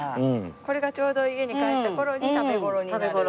これがちょうど家に帰った頃に食べ頃になる。